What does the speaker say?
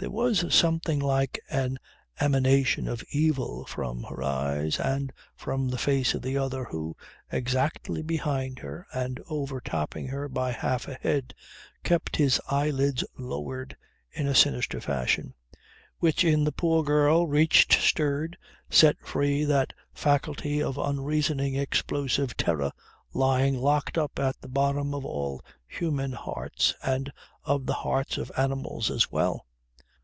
There was something like an emanation of evil from her eyes and from the face of the other, who, exactly behind her and overtopping her by half a head, kept his eyelids lowered in a sinister fashion which in the poor girl, reached, stirred, set free that faculty of unreasoning explosive terror lying locked up at the bottom of all human hearts and of the hearts of animals as well.